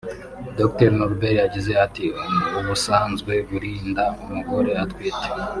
Dr Norbert yagize ati “Ubusanzwe buri nda umugore atwite